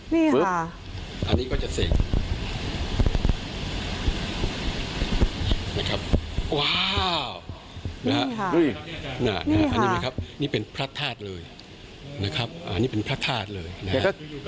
นี่ค่ะอันนี้ก็จะเสกนะครับว้าวนี่ค่ะนี่เป็นพระธาตุเลยนะครับอันนี้เป็นพระธาตุเลยนะครับ